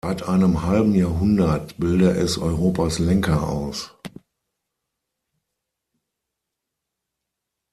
Seit einem halben Jahrhundert bilde es Europas Lenker aus.